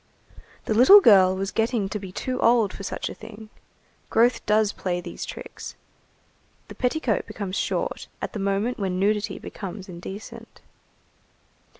The little girl was getting to be too old for such a thing. Growth does play these tricks. The petticoat becomes short at the moment when nudity becomes indecent.